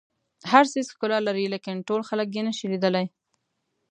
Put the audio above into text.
هر څیز ښکلا لري لیکن ټول خلک یې نه شي لیدلی.